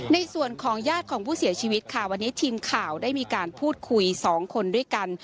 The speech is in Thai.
ในส่วนของญาติของผู้เสียชีวิตค่ะวันนี้ทีมข่าวได้มีการพูดคุยสองคนด้วยกัน